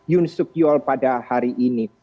yun suk yol pada hari ini